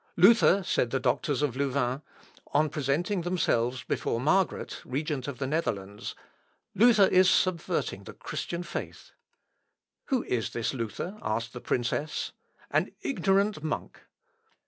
"Luther," said the doctors of Louvain, on presenting themselves before Margaret, Regent of the Netherlands, "Luther is subverting the Christian faith." "Who is this Luther?" asked the Princess. "An ignorant monk."